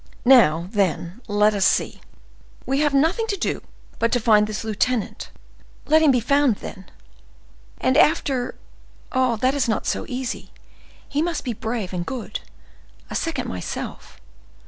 Now, then, let us see; we have nothing to do but to find this lieutenant—let him be found, then; and after—That is not so easy; he must be brave and good, a second myself.